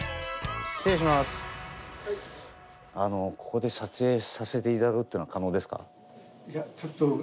ここで撮影させていただくって可能ですか？